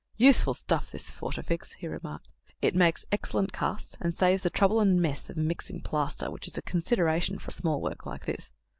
"Useful stuff, this Fortafix," he remarked; "it makes excellent casts, and saves the trouble and mess of mixing plaster, which is a consideration for small work like this.